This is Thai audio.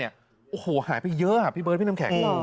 โอ้โหหายไปเยอะพี่เบิร์ดพี่น้ำแข็ง